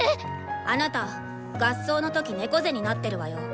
あなた合奏の時猫背になってるわよ。